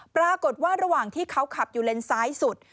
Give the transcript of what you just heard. ปรากฏว่าระหว่างที่เขาขับอยู่เลนซ้ายสุด